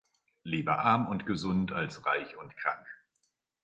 Lieber arm und gesund, als reich und krank.